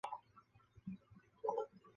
蔡正元骂何大一是三七仔。